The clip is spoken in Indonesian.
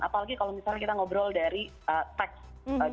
apalagi kalau misalnya kita ngobrol dari teks